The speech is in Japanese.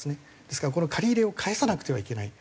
ですからこの借り入れを返さなくてはいけない。